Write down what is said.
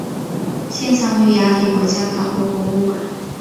现藏于雅典国家考古博物馆。